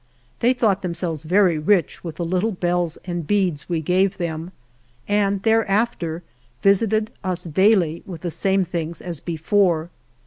They thought themselves very rich with the little bells and beads we gave them, and thereafter visited us daily with the same things as before.